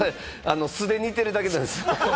素で似てるだけなんすよ。